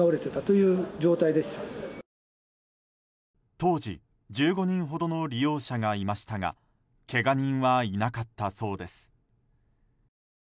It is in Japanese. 当時１５人ほどの利用者がいましたがけが人はいなかったそうです。